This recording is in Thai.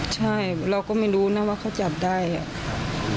ใช่เราก็ไม่รู้นะว่าเขาจับได้อ่ะ